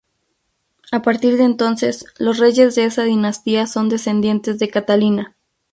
A partir de entonces los reyes de esa dinastía son descendientes de Catalina.